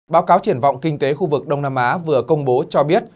báo cáo triển vọng kinh tế khu vực đông nam á vừa công bố cho biết